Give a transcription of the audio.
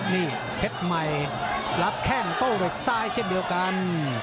นี่เพชรใหม่รับแข้งโต้ด้วยซ้ายเช่นเดียวกัน